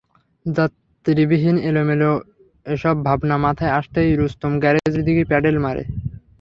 যাত্রীবিহীন এলোমেলো এসব ভাবনা মাথায় আসতেই রুস্তম গ্যারেজের দিকে প্যাডেল মারে।